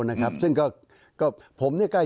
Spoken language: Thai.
ผมใกล้ชิดกับท่านท่านมัย